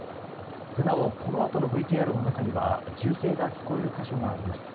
なお、このあとのＶＴＲの中には銃声が聞こえる箇所があります。